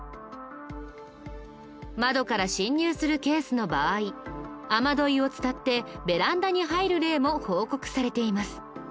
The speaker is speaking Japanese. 窓から侵入するケースの場合雨どいを伝ってベランダに入る例も報告されています。